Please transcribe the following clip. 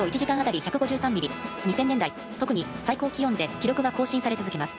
２０００年代特に最高気温で記録が更新され続けます。